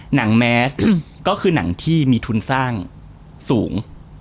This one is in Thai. แมสก็คือหนังที่มีทุนสร้างสูง